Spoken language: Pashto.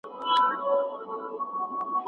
یوه پوښتنه لرم.